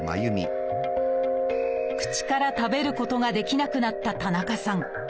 口から食べることができなくなった田中さん。